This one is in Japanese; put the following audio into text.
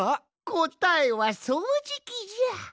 こたえはそうじきじゃ！